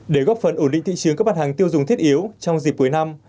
để góp phần ổn định thị trường các mặt hàng tiêu dùng thiết yếu trong dịp cuối năm